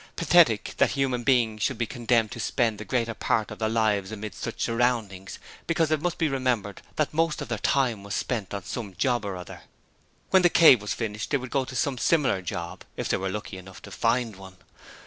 Pathetic that human beings should be condemned to spend the greater part of their lives amid such surroundings, because it must be remembered that most of their time was spent on some job or other. When 'The Cave' was finished they would go to some similar 'job', if they were lucky enough to find one.